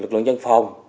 lực lượng dân phòng